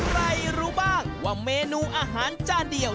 รู้บ้างว่าเมนูอาหารจานเดียว